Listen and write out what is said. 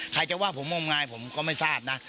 ใครจะว่าผมงมงายผมก็ไม่ทราบนะ